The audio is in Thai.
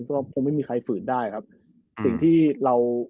เพราะไม่มีใครฝืนได้ครับ